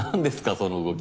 その動き。